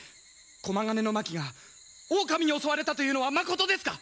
駒ヶ根の牧が狼に襲われたというのはまことですか！？